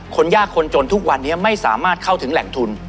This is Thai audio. คนยากคนจนทุกวันนี้ไม่สามารถเข้าถึงแหล่งทุน